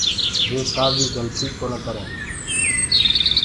وي ڪآ بي گلتيٚ ڪونآ ڪرينٚ